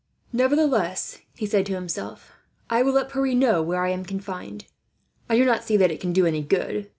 "Nevertheless," he said to himself, "I will let Pierre know where I am confined. I do not see that it can do any good.